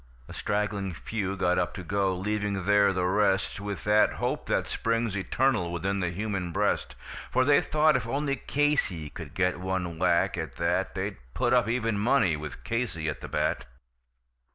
A straggling few got up to go, leaving there the rest With that hope that springs eternal within the human breast; For they thought if only Casey could get one whack, at that They'd put up even money, with Casey at the bat.